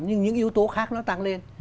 nhưng những yếu tố khác nó tăng lên